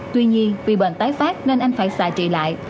tuy nhiên vì bệnh tái phát nên anh phải xạ trị lại